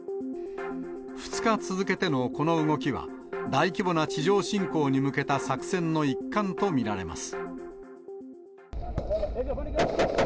２日続けてのこの動きは、大規模な地上侵攻に向けた作戦の一環と見られます。